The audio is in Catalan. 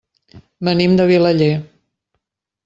Venim de Vilaller.